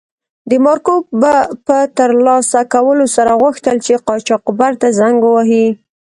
د مارکو په تر لاسه کولو سره غوښتل چې قاچاقبر ته زنګ و وهي.